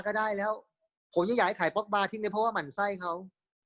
กะได้แล้วผมยังอยากให้ถ่ายที่นี่เพราะว่ามันใส้เค้า